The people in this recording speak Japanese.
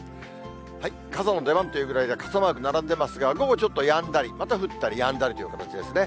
傘の出番というぐらいで、傘マーク並んでますが、午後ちょっとやんだり、また降ったりやんだりという形ですね。